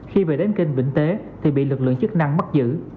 khi về đến kênh vĩnh tế thì bị lực lượng chức năng bắt giữ